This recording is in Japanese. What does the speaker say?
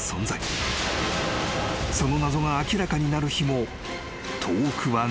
［その謎が明らかになる日も遠くはないのかもしれない］